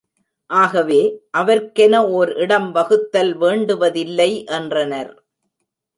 ஆகவே, அவர்க்கென ஒர் இடம் வகுத்தல் வேண்டுவதில்லை, என்றனர்.